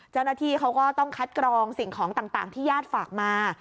เจ้าหน้าที่เขาก็ต้องคัดกรองสิ่งของต่างที่ญาติฝากมา